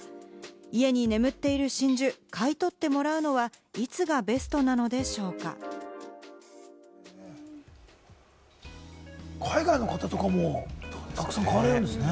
家に眠っている真珠、買い取ってもらうのはいつがベストなのでし海外の方とかも、たくさん買われるんですね。